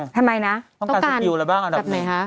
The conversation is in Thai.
ทำไมนะต้องการสกิลอะไรบ้างอันดับไหนคะ